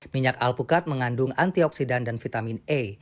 minyak alpukat mengandung antioksidan dan vitamin e